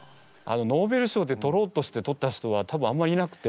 ノーベル賞ってとろうとしてとった人は多分あんまりいなくて。